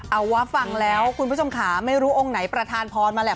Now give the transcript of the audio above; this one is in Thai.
เอาว่าฟังแล้วคุณผู้ชมค่ะไม่รู้องค์ไหนประธานพรมาแหละ